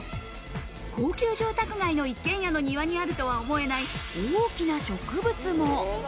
高級住宅街の一軒家の庭にあるとは思えない、大きな植物も。